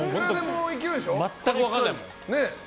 全く分からないもん。